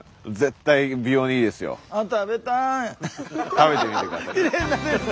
食べてみてください。